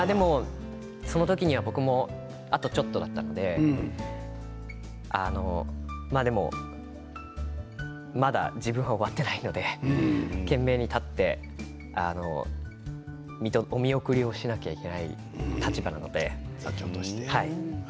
その時には僕もあとちょっとだったのでまだ自分が終わっていないので懸命に立ってお見送りをしなくてはいけない立場なので。